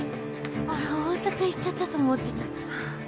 大阪行っちゃったと思ってた